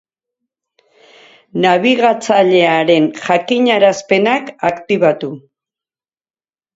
Nabigatzailearen jakinarazpenak aktibatu.